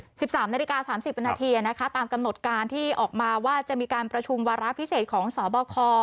๑๓นาฬิกา๓๐นาทีตามกำหนดการที่ออกมาว่าจะมีการประชุมวาระพิเศษของสอบคล